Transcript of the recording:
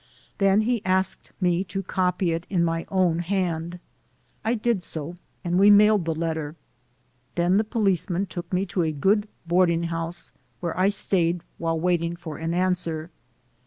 Then he asked me to copy it in my own hand. I did so, and we mailed the letter. Then the policeman took me to a good boarding house where I stayed while waiting for an answer.